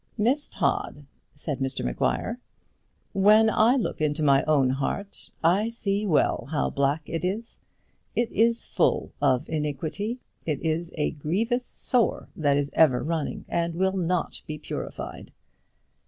"Miss Todd," said Mr Maguire, "when I look into my own heart, I see well how black it is. It is full of iniquity; it is a grievous sore that is ever running, and will not be purified."